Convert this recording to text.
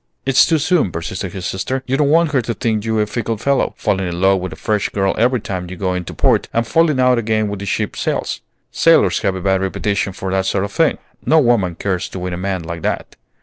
"It's too soon," persisted his sister. "You don't want her to think you a fickle fellow, falling in love with a fresh girl every time you go into port, and falling out again when the ship sails. Sailors have a bad reputation for that sort of thing. No woman cares to win a man like that."